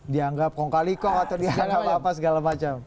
dianggap kongkalikong atau dianggap apa segala macam